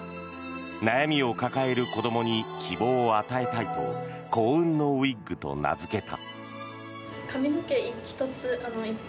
悩みを抱える子どもに希望を与えたいと幸運のウィッグと名付けた。